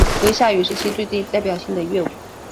为夏禹时最具代表性的乐舞。